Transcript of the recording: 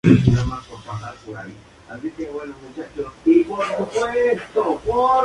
Su principal característica consiste en que los animales viven en condiciones de semi libertad.